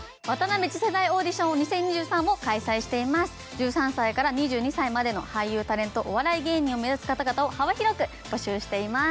１３歳から２２歳までの俳優タレントお笑い芸人を目指す方々を幅広く募集しています。